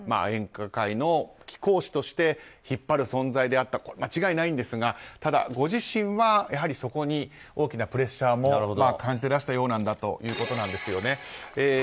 演歌界の貴公子として引っ張る存在だったことは間違いないんですがただ、ご自身はそこに大きなプレッシャーも感じてらしたようだということなんですよね。